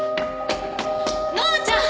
乃愛ちゃん！